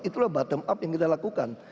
itulah bottom up yang kita lakukan